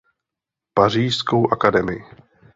Pařížskou akademii.